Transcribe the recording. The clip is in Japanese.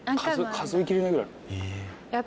数え切れないぐらいある。